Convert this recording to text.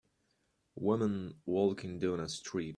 Women walking down a street.